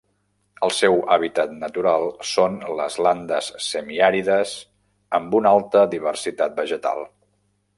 El seu hàbitat natural són les landes semiàrides amb una alta diversitat vegetal.